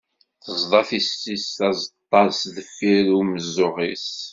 Tezḍa tisist azeṭṭa-s deffir umeẓẓuɣ-is.